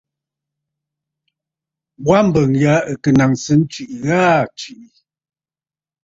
Wa mbəŋ yâ ɨ̀ kɨ nàŋsə ntwìʼi gha aa tswìʼì.